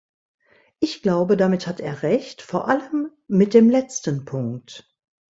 Ich glaube, damit hat er Recht, vor allem mit dem letzten Punkt.